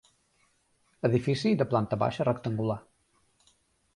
Edifici de planta baixa rectangular.